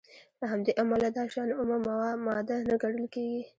له همدې امله دا شیان اومه ماده نه ګڼل کیږي.